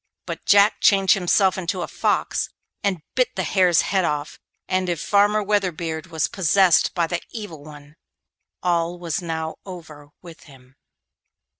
But Jack changed himself into a fox, and bit the hare's head off, and if Farmer Weatherbeard was possessed by the evil one all was now over with him.